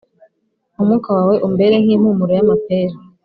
umwuka wawe umbere nk’impumuro y’amapera,